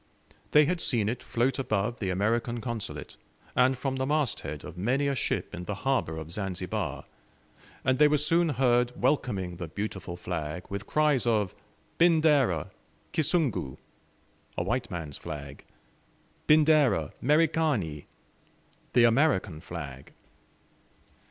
They had seen it float above the American Consulate, and from the mast head of many a ship in the harbor of Zanzibar, and they were soon heard welcoming the beautiful flag with cries of "Bindera Kisungu!" a white man's flag! "Bindera Merikani!" the American flag!